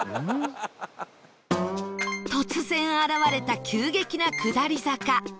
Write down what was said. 突然現れた急激な下り坂